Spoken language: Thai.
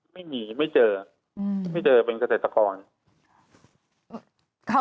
ไม่มีไม่เจอไม่เจอเป็นเกษตรกร